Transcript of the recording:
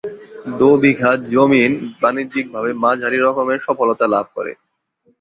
দো বিঘা জমিন বাণিজ্যিকভাবে মাঝারি রকমের সফলতা লাভ করে।